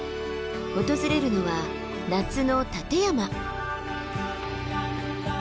訪れるのは夏の立山。